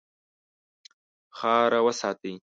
خاوره وساتئ.